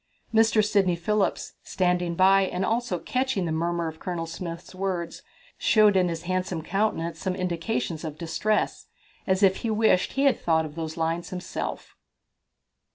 Mr. Sidney Phillips, standing by, and also catching the murmur of Colonel Smith's words, showed in his handsome countenance some indications of distress, as if he wished he had thought of those lines himself.